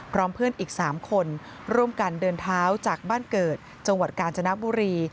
พร้อมเพื่อนอีก๓คนร่วมกันเดินเท้าจากบ้านเกิดจังหวัดกาญจนบุรี